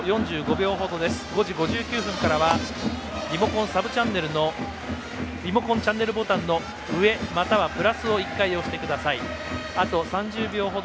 ５時５９分からはリモコンチャンネルボタンの上またプラスを１回押してください。